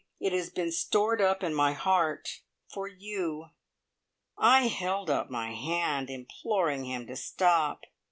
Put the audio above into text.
It has been stored up in my heart for you." I held up my hand, imploring him to stop.